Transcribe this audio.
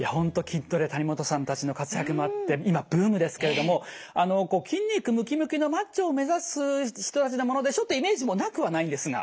筋トレ谷本さんたちの活躍もあって今ブームですけれども筋肉ムキムキのマッチョを目指す人たちのものでちょっとイメージもなくはないんですが。